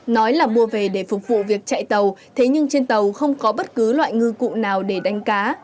nói là mua về để phục vụ việc chạy tàu thế nhưng trên tàu không có bất cứ loại ngư cụ nào để đánh cá